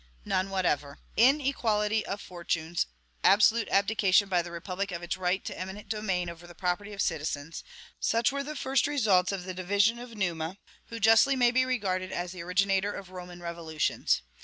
None whatever. Inequality of fortunes, absolute abdication by the republic of its right of eminent domain over the property of citizens, such were the first results of the division of Numa, who justly may be regarded as the originator of Roman revolutions.